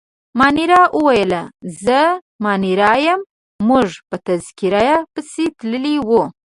مانیرا وویل: زه مانیرا یم، موږ په تذکیره پسې تللي وو.